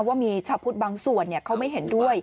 ว่ามีชาวพุทธบางส่วนเขาไม่เห็นด้วย